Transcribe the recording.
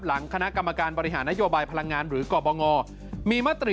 หลังคณะกรรมการบริหารนโยบายพลังงานหรือกบงมีมติ